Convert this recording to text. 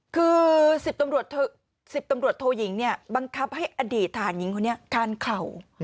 คือ๑๐ตำรวจโทยิงเนี่ยบังคับให้อดีตฐานยิงคนนี้การเข่า